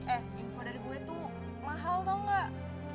eh info dari gue tuh mahal tau gak